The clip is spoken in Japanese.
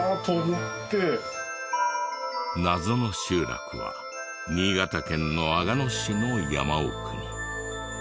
謎の集落は新潟県の阿賀野市の山奥に。